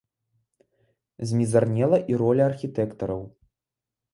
Змізарнела і роля архітэктараў.